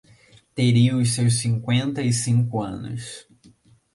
teria os seus cinqüenta e cinco anos.